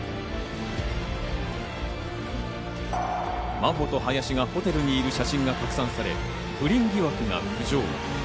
真帆と林がホテルにいる写真が拡散され、不倫疑惑が浮上。